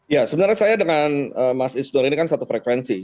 ya sebenarnya saya dengan mas isnur ini kan satu frekuensi